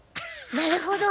なるほど！